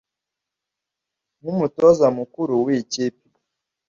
nk’umutoza mukuru w’iyi kipe